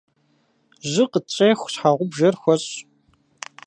Жьы къытщӏеху, щхьэгъубжэр хуэщӏ.